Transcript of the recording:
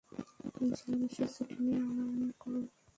ছয় মাসের ছুটি নিয়ে আরাম করো।